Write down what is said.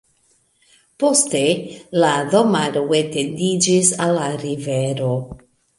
Poste la domaro etendiĝis al la rivero.